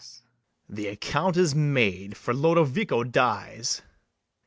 ] The account is made, for Lodovico dies.